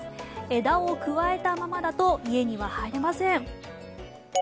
枝をくわえたままだと家には入れません。